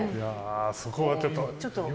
そこはちょっと。